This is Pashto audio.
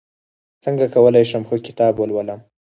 څنګه کولی شم ښه کتاب ولولم